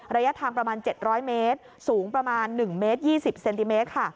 ระยะทางประมาณ๗๐๐เมตรสูงประมาณ๑เมตร๒๐เซนติเมตรค่ะ